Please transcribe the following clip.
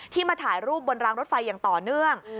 มาถ่ายรูปบนรางรถไฟอย่างต่อเนื่อง